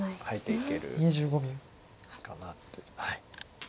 入っていけるかなと。